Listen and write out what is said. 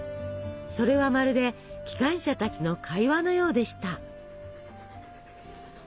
それはまるで機関車たちの会話のようでした。